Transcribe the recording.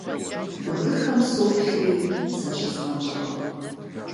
Бгыхэм соплъри защызгъэнщӀыркъым.